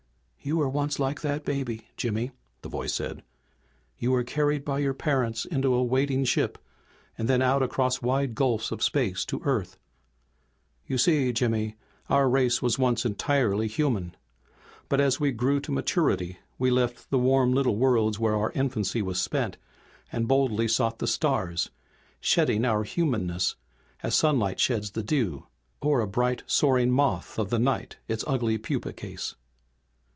"You were once like that baby, Jimmy!" the voice said. "You were carried by your parents into a waiting ship, and then out across wide gulfs of space to Earth. "You see, Jimmy, our race was once entirely human. But as we grew to maturity we left the warm little worlds where our infancy was spent, and boldly sought the stars, shedding our humanness as sunlight sheds the dew, or a bright, soaring moth of the night its ugly pupa case.